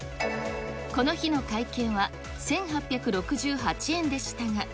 この日の会計は１８６８円でしたが。